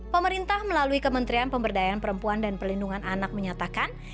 pemerintah melalui kementerian pemberdayaan perempuan dan pelindungan anak menyatakan